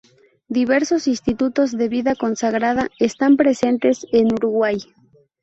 Diversos institutos de vida consagrada están presentes en Uruguay.